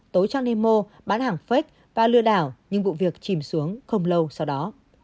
tối trang nemo bán hàng phết và lừa đảo nhưng vụ việc chìm xuống không lâu sau đó